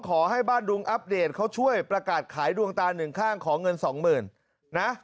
ขอให้บ้านดุงอัปเดตเขาช่วยประกาศขายดวงตาหนึ่งข้างขอเงินสองหมื่นนะ